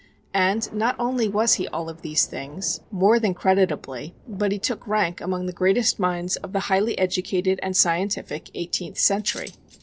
And not only was he all of these things, more than creditably, but he took rank among the greatest minds of the highly educated and scientific Eighteenth Century.